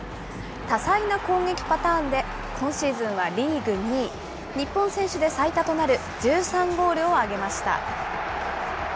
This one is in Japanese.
多彩な攻撃パターンで今シーズンはリーグ２位、日本選手で最多となる１３ゴールを挙げました。